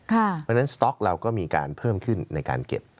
เพราะฉะนั้นสต๊อกเราก็มีการเพิ่มขึ้นในการเก็บ